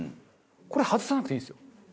これ外さなくていいんですよ。